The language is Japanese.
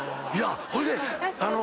ほんであの。